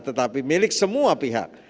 tetapi milik semua pihak